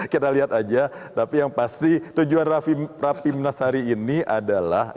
kita lihat aja tapi yang pasti tujuan rapimnas hari ini adalah